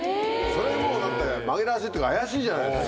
それもうだって紛らわしいっていうか怪しいじゃないですか。